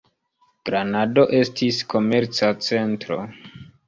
Granado estis komerca centro.